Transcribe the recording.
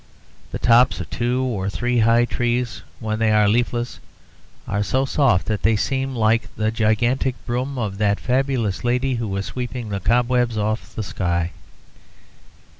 The tops of two or three high trees when they are leafless are so soft that they seem like the gigantic brooms of that fabulous lady who was sweeping the cobwebs off the sky.